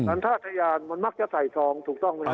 ันทายานมันมักจะใส่ซองถูกต้องไหมครับ